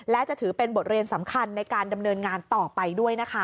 และจะถือเป็นบทเรียนสำคัญในการดำเนินงานต่อไปด้วยนะคะ